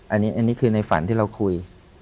อันนี้คือในฝันที่เราคุย